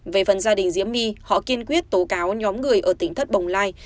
về phần gia đình diễm my họ kiên quyết tố cáo nhóm người ở tỉnh thất bồng lai